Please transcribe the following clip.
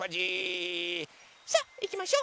さあいきましょ！